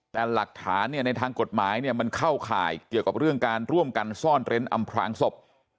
แต่หลักฐานเนี่ยในทางกฎหมายเนี่ยมันเข้าข่ายเกี่ยวกับเรื่องการร่วมกันซ่อนเร้นอำพลางศพ